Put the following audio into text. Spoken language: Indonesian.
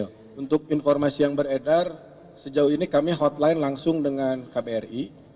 untuk informasi yang beredar sejauh ini kami hotline langsung dengan kbri